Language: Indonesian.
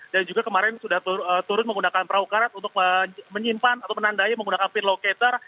dan juga kemarin sudah turun menggunakan perahu karet untuk menyimpan atau menandai menggunakan pin locator